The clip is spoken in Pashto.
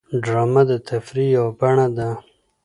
ډرامه د تفریح یوه بڼه ده